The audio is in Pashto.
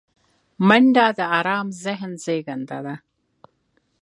منډه د آرام ذهن زیږنده ده